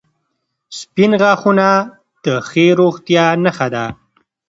• سپین غاښونه د ښې روغتیا نښه ده.